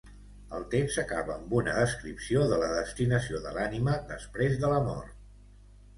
El text acaba amb una descripció de la destinació de l'ànima després de la mort.